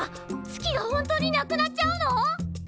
月が本当になくなっちゃうの！？